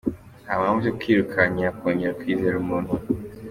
Nta mpamvu yo kwirukankira kongera kwizera umuntu.